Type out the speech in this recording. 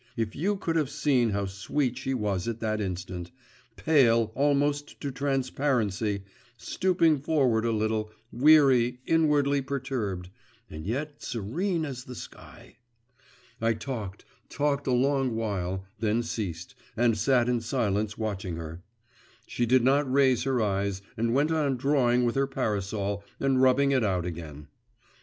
if you could have seen how sweet she was at that instant; pale almost to transparency, stooping forward a little, weary, inwardly perturbed and yet serene as the sky! I talked, talked a long while, then ceased, and sat in silence watching her.… She did not raise her eyes, and went on drawing with her parasol and rubbing it out again.